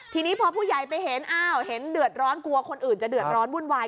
ทีนี้พอผู้ใหญ่ไปเห็นอ้าวเห็นเดือดร้อนกลัวคนอื่นจะเดือดร้อนวุ่นวาย